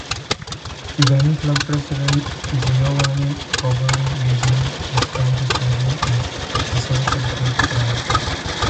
Then-club president Giovanni Cobolli Gigli described the stadium as "a source of great pride".